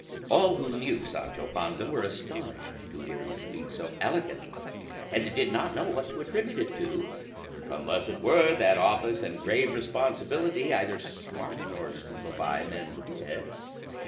All who knew Sancho Panza were astonished to hear him speak so elegantly, and did not know what to attribute it to, unless it were that office and grave responsibility either smarten or stupefy men's wits.